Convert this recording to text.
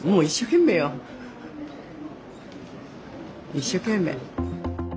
一生懸命。